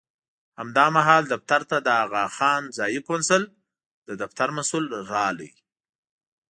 همدا مهال دفتر ته د اغاخان ځایي کونسل د دفتر مسوول راغی.